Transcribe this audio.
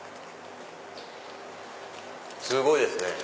すごいですね。